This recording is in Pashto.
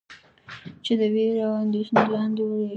چې د وېرې او اندېښنې لاندې وئ.